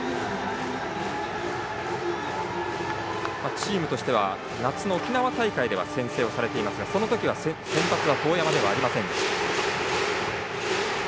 チームとしては夏の沖縄大会では先制をされましたがそのときは先発は當山ではありませんでした。